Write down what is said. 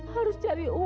harus cari uang bang